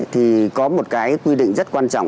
thì có một quy định rất quan trọng